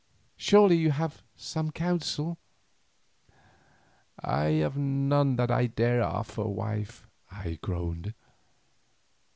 Surely you have some counsel." "I have none that I dare offer, wife," I groaned.